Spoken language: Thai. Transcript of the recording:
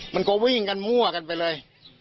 มันก็วิ่งกันมั่วกันไปเลย